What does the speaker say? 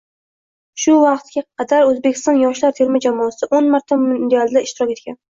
Shu vaqtga qadar O‘zbekiston yoshlar terma jamoasito´rtmarta mundialda ishtirok etgan